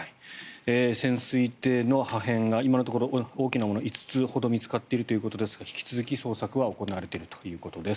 潜水艇の破片が今のところ大きなものが５つほど見つかっているということですが引き続き捜索は行われているということです。